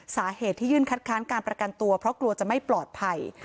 สาเหตุที่ยื่นคัดค้านการประกันตัวเพราะกลัวจะไม่ปลอดภัย